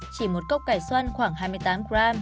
chỉ một cốc cải xoăn khoảng hai mươi tám gram